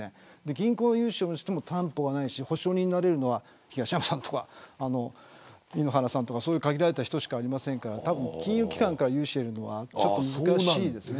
銀行の融資にしても担保がないし保証人になれるのは東山さんとか井ノ原さんとか限られた人しかいませんから金融機関から融資を得るのは難しいですね。